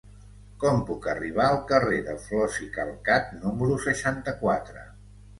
Com puc arribar al carrer de Flos i Calcat número seixanta-quatre?